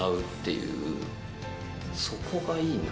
そこがいいな。